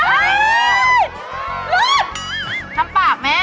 มาจิ้ม